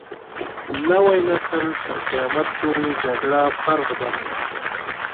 نوي نسل تر قيامت پورې جګړه فرض بلله.